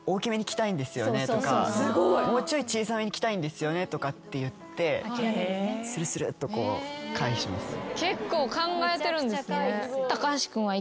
「もうちょい小さめに着たいんですよね」とかって言ってするするっと回避しますね。